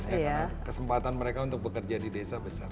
karena kesempatan mereka untuk bekerja di desa besar